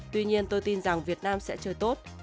tuy nhiên tôi tin rằng việt nam sẽ chưa tốt